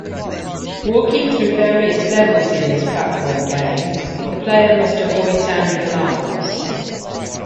Walking through various levels in this platform game, the player must avoid sounding alarms.